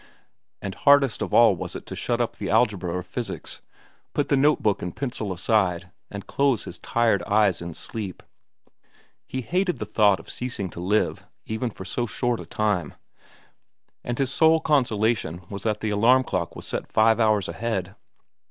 And hardest of all was it to shut up the algebra or physics, put note book and pencil aside, and close his tired eyes in sleep. He hated the thought of ceasing to live, even for so short a time, and his sole consolation was that the alarm clock was set five hours ahead.